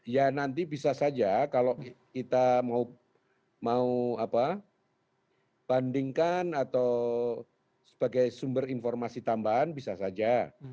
ya nanti bisa saja kalau kita mau bandingkan atau sebagai sumber informasi tambahan bisa saja